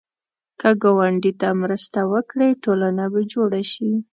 که ګاونډي ته مرسته وکړې، ټولنه به جوړه شي